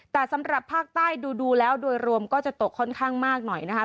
แต่สำหรับภาคใต้ดูแล้วโดยรวมก็จะตกค่อนข้างมากหน่อยนะคะ